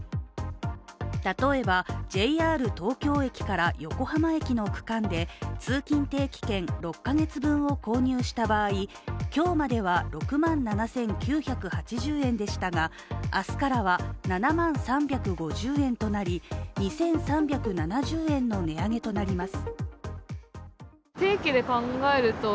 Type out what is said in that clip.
例えばＪＲ東京駅から横浜駅の区間で通勤定期券６か月分を購入した場合、今日までは６万７９８０円でしたが明日からは７万３５０円となり、２３７０円の値上げとなります。